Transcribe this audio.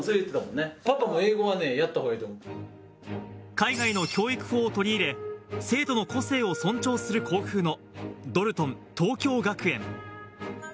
海外の教育法を取り入れ、生徒の個性を尊重する校風のドルトン東京学園。